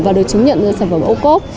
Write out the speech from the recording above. và được chứng nhận sản phẩm ô cốt